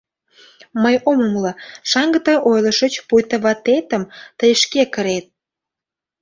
Мый ом умыло: шаҥге тый ойлышыч, пуйто ватетым тый шке кырет...